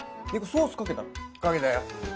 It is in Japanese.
「ソースかけた？」